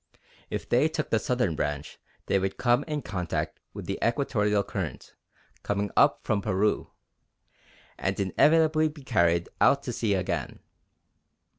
If they took the southern branch they would come in contact with the Equatorial Current coming up from Peru, and inevitably be carried out to sea again.